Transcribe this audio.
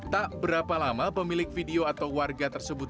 tak berapa lama pemilik video atau warga tersebut